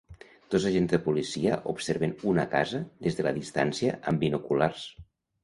Dos agents de policia observen una casa des de la distància amb binoculars.